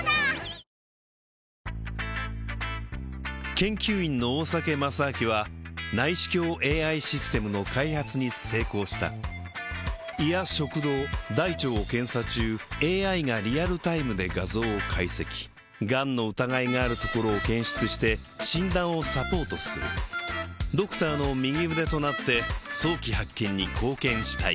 研究員の大酒正明は内視鏡ＡＩシステムの開発に成功した胃や食道大腸を検査中ＡＩがリアルタイムで画像を解析がんの疑いがあるところを検出して診断をサポートするドクターの右腕となって早期発見に貢献したい